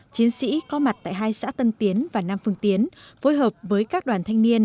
chiến sĩ có mặt tại hai xã tân tiến và nam phương tiến phối hợp với các đoàn thanh niên